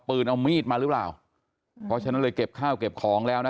เอามีดมาหรือเปล่าเพราะฉะนั้นเลยเก็บข้าวเก็บของแล้วนะ